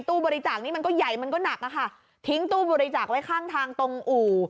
บริจาคนี้มันก็ใหญ่มันก็หนักอะค่ะทิ้งตู้บริจาคไว้ข้างทางตรงอู่